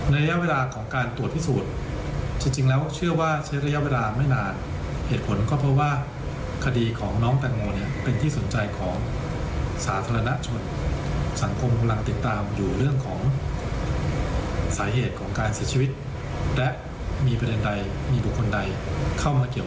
นอกจากการที่จะบอกว่าเป็นแค่หัวเทค